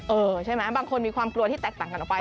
ใช่ไหมบางคนมีความกลัวที่แตกต่างกันออกไป